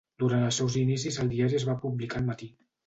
Durant els seus inicis el diari es va publicar al matí.